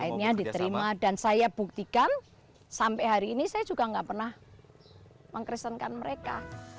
akhirnya diterima dan saya buktikan sampai hari ini saya juga nggak pernah mengkristenkan mereka